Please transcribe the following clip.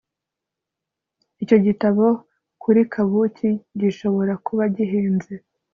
Icyo gitabo kuri kabuki gishobora kuba gihenze